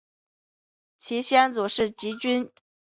其先祖是汲郡。